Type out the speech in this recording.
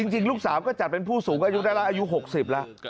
จริงลูกสาวก็จัดเป็นผู้สูงอายุได้แล้วอายุ๖๐แล้ว